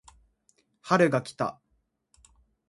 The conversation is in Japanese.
春が来た